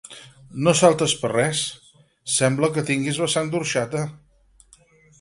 No saltes per res, sembla que tinguis la sang d'orxata.